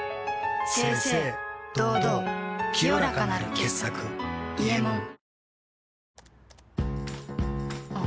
清々堂々清らかなる傑作「伊右衛門」・最大。